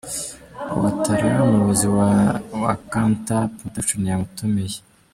Ouattara, umuyobozi wa Canta Production yamutumiye.